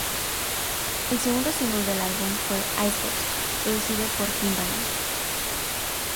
El segundo single del álbum fue "Ice Box", producido por Timbaland.